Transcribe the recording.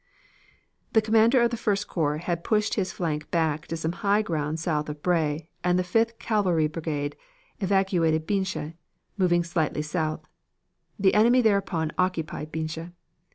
"The commander of the First Corps had pushed his flank back to some high ground south of Bray, and the Fifth Cavalry Brigade evacuated Binche, moving slightly south; the enemy thereupon occupied Binche.